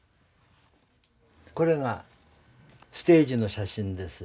これがステージの写真です。